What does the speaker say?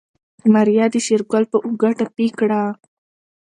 ماريا د شېرګل په اوږه ټپي کړه.